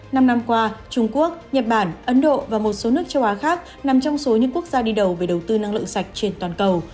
năm năm qua trung quốc nhật bản ấn độ và một số nước châu á khác nằm trong số những quốc gia đi đầu về đầu tư năng lượng sạch trên toàn cầu